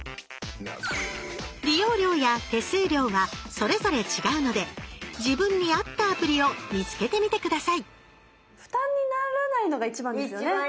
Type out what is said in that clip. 利用料や手数料はそれぞれ違うので自分に合ったアプリを見つけてみて下さい負担にならないのが一番ですよね。